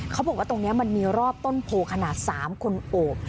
เขาบอกว่าตรงนี้มันมีรอบต้นโพขนาด๓คนโอบ